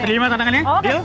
terima tantangannya yuk